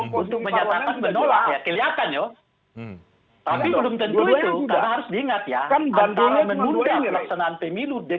pertama menunda keseluruhan tahapan pelaksanaan pemilu